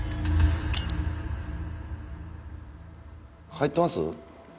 入ってます？